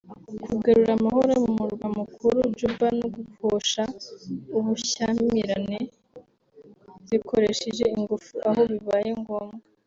kugarura amahoro mu murwa mukuru Juba no guhosha ubushyamirane zikoresheje ingufu aho bibaye ngombwa